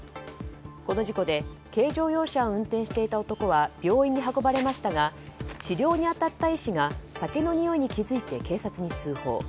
この事故で軽乗用車を運転していた男は病院に運ばれましたが治療に当たった医師が酒のにおいに気づいて警察に通報。